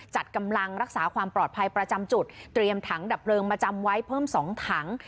จัดกำลังรักษาความปลอดภัยประจำจุดเตรียมถังดับเพลิงมาจำไว้เพิ่ม๒ถัง